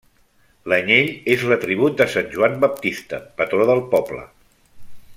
L'anyell és l'atribut de sant Joan Baptista, patró del poble.